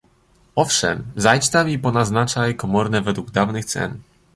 "Owszem zajdź tam i ponaznaczaj komorne według dawnych cen."